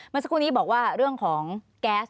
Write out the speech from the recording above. เมื่อสักครู่นี้บอกว่าเรื่องของแก๊ส